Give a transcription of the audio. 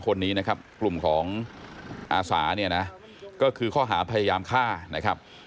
คนนี้นะครับกลุ่มของอาสาเนี่ยนะก็คือข้อหาพยายามฆ่านะครับ